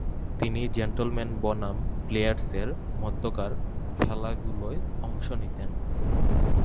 তিনি জেন্টলম্যান বনাম প্লেয়ার্সের মধ্যকার খেলাগুলোয় অংশ নিতেন।